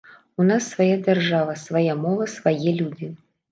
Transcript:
У нас свая дзяржава, свая мова, свае людзі.